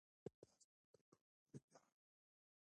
دا زموږ تر ټولو لوی ویاړ دی.